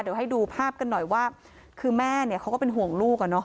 เดี๋ยวให้ดูภาพกันหน่อยว่าคือแม่เขาก็เป็นห่วงลูก